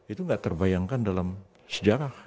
itu nggak terbayangkan dalam sejarah